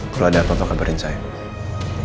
kalau ada apa apa kabarin saya baik pak